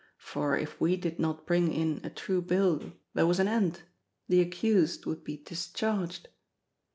For if we did not bring in a true bill there was an end; the accused would be discharged.